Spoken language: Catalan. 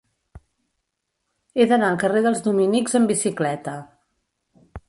He d'anar al carrer dels Dominics amb bicicleta.